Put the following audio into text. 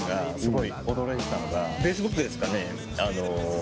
Ｆａｃｅｂｏｏｋですかねあの。